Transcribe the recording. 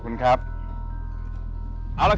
เหมือนเล็บตลอดเวลา